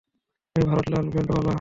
আমি ভারত লাল, ব্যান্ড ওয়ালা।